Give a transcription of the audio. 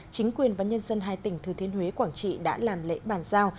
chính quyền và nhân dân hai tỉnh thừa thiên huế quảng trị đã làm lễ bàn giao